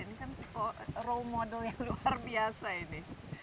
ini kan role model yang luar biasa ini